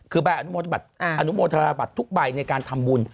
คือใบอนุโมธนาบัตรอนุโมธนาบัตรทุกใบในการทำบุญ